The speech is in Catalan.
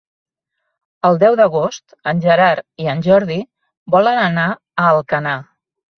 El deu d'agost en Gerard i en Jordi volen anar a Alcanar.